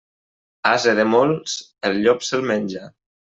Ase de molts el llop se'l menja.